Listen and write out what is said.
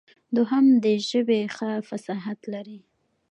دوهم د ژبې ښه فصاحت لري.